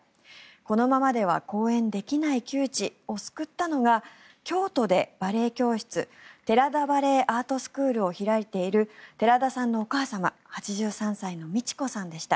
このままでは公演できない窮地を救ったのが京都でバレエ教室寺田バレエ・アートスクールを開いている、寺田さんのお母様８３歳の美智子さんでした。